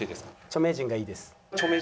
「著名人がいいです」。